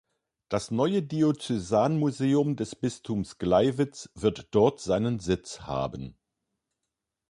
Das neue Diözesanmuseum des Bistums Gleiwitz wird dort seinen Sitz haben.